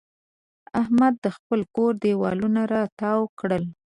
احمد د خپل کور دېوالونه را تاوو کړل.